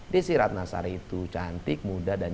desi ratnasari itu cantik muda dan